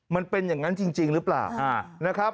มันเป็นอย่างนั้นจริงหรือเปล่า